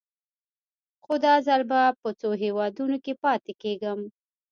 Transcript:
خو دا ځل به په څو هېوادونو کې پاتې کېږم.